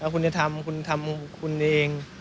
คุณจะทำคุณทำคุณเอง